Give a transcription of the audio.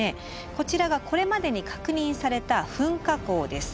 こちらがこれまでに確認された噴火口です。